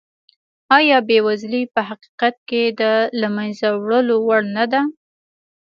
ایا بېوزلي په حقیقت کې د له منځه وړلو وړ نه ده؟